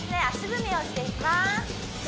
足踏みをしていきます